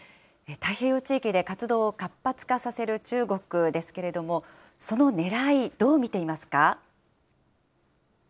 太平洋地域で活動を活発化させる中国ですけれども、そのねらい、どう見ていますか。